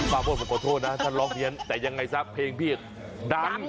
ปราโมทฉันขอโทษนะฉันร้องเพียสแต่ยังไงซะเพลงเพียงดัง